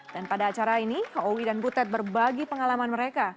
dan pada acara ini owi dan butet berbagi pengalaman mereka